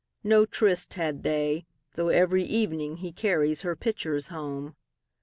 No tryst had they, though every evening heCarries her pitchers home.